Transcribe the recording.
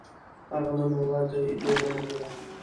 هغه ننواتې ونه منله.